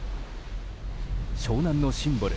湘南のシンボル